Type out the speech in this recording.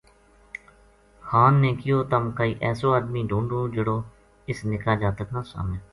خان نے کہیو تَم کائی ایسو ادمی ڈُھونڈو جہڑو اس نِکا جاتک نا سامے